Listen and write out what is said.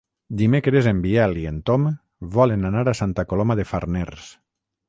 Dimecres en Biel i en Tom volen anar a Santa Coloma de Farners.